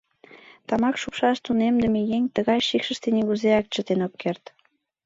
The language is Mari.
Тамак шупшаш тунемдыме еҥ тыгай шикшыште нигузеак чытен ок керт.